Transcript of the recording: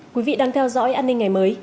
quý vị đang theo dõi an ninh ngày mới